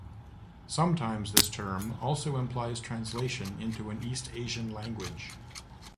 Sometimes this term also implies translation into an East Asian language.